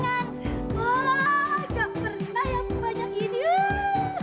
wah gak pernah ya banyak ini